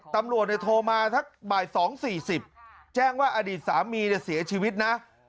ตำรวจโทรมาสักบ่าย๒๔๐แจ้งว่าอดีตสามีเสียชีวิตนะ